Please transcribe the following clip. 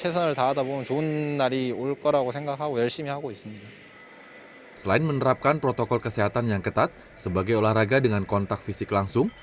selain menerapkan protokol kesehatan yang ketat sebagai olahraga dengan kontak fisik langsung